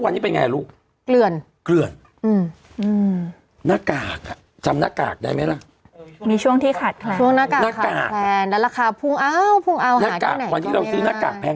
เราซื้อบริจักษ์บุคลากรต่างแพทย์เท่าไหร่อันหนึ่ง